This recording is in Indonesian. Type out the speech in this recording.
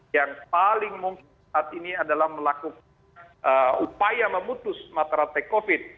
yang paling mungkin saat ini adalah melakukan upaya memutus mata rate covid